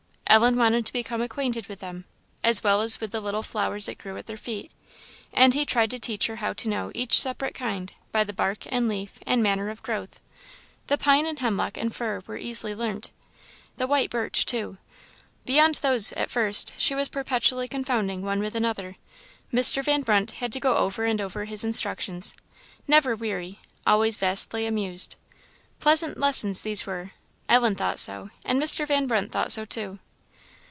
Ellen wanted to become acquainted with them, as well as with the little flowers that grew at their feet; and he tried to teach her how to know each separate kind by the bark and leaf and manner of growth. The pine and hemlock and fir were easily learnt; the white birch, too; beyond those, at first, she was perpetually confounding one with another. Mr. Van Brunt had to go over and over his instructions never weary, always vastly amused. Pleasant lessons these were! Ellen thought so, and Mr. Van Brunt thought so too.